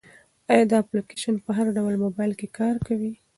دا اپلیکیشن په هر ډول موبایل کې کار کوي.